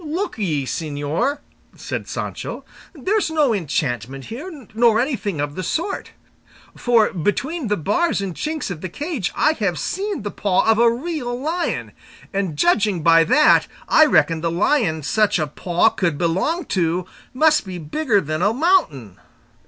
"Look ye, señor," said Sancho, "there's no enchantment here, nor anything of the sort, for between the bars and chinks of the cage I have seen the paw of a real lion, and judging by that I reckon the lion such a paw could belong to must be bigger than a mountain."